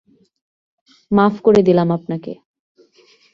মাফ করে দিলাম আপনাকে।